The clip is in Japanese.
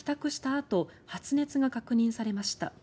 あと発熱が確認されました。